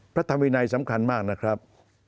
พระธรรมวินัยสำคัญมากนะครับ